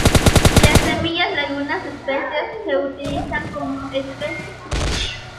Las semillas de algunas especies se utilizan como especias.